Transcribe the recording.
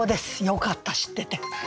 よかった知ってて。